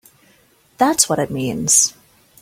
That's what it means!